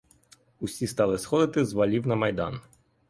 Усі стали сходити з валів на майдан.